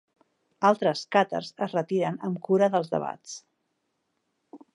Altres càtars es retiren amb cura dels debats.